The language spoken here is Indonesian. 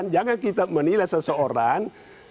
jangan kita menilai seseorang